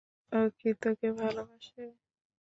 ও কি তোকে ভালোবাসে?